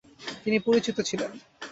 তিনি পরিচিত ছিলেন।